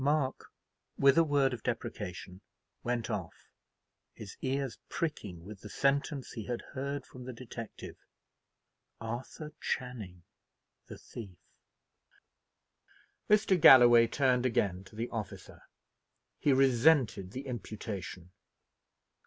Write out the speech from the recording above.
Mark, with a word of deprecation, went off, his ears pricking with the sentence he had heard from the detective Arthur Channing the thief! Mr. Galloway turned again to the officer. He resented the imputation.